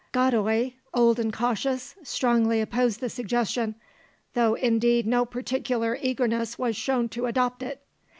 Godoy, old and cautious, strongly opposed the suggestion, though indeed no particular eagerness was shown to adopt it.